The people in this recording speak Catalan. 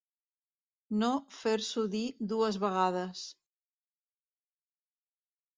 No fer-s'ho dir dues vegades.